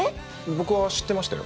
僕は知ってましたよ。